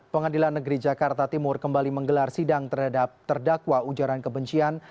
pengadilan negeri jakarta timur kembali menggelar sidang terhadap terdakwa ujaran kebencian